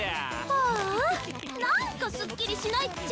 ああ何かすっきりしないっちゃ。